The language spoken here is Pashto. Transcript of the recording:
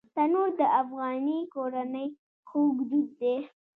تنور د افغاني کورنۍ خوږ دود دی